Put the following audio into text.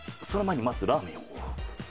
その前にまずラーメンを。